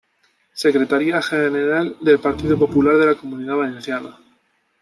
Secretaria general del Partido Popular de la Comunidad Valenciana.